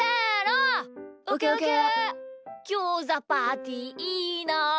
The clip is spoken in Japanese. ギョーザパーティーいいな。